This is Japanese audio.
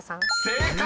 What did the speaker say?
［正解！